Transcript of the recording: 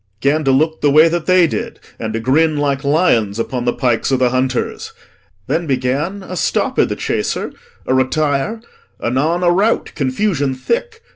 gan to look The way that they did and to grin like lions Upon the pikes o' th' hunters. Then began A stop i' th' chaser, a retire; anon A rout, confusion thick.